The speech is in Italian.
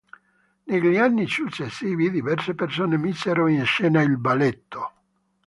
Negli anni successivi diverse persone misero in scena il balletto.